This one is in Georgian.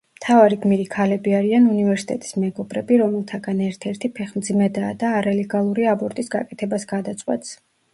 მთავარი გმირი ქალები არიან უნივერსიტეტის მეგობრები, რომელთაგან ერთ-ერთი ფეხმძიმედაა და არალეგალური აბორტის გაკეთებას გადაწყვეტს.